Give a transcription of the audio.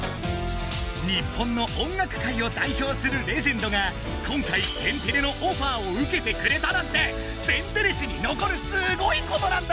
日本の音楽界をだいひょうするレジェンドが今回天てれのオファーをうけてくれたなんて天てれ史にのこるすごいことなんだ！